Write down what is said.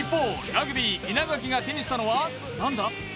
ラグビー稲垣が手にしたのは何だ？